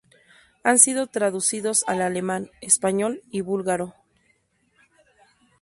Han sido traducidos al alemán, español, y búlgaro.